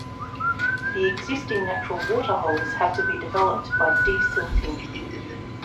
The existing natural water holes have to be developed by desilting.